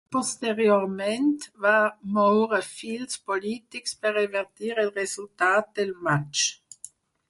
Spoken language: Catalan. Posteriorment va moure fils polítics per revertir el resultat del matx.